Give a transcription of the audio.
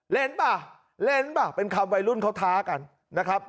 เล่นป่ะเล่นป่ะเป็นคำวัยรุ่นเขาท้ากันนะครับ